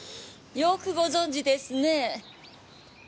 よくご存じですねぇ。